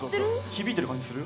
響いてる感じする。